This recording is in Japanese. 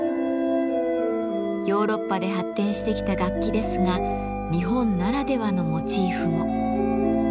ヨーロッパで発展してきた楽器ですが日本ならではのモチーフも。